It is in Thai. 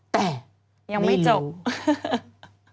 แต่ยังไม่จบ